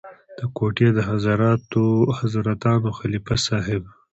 د کوټې د حضرتانو خلیفه صاحب.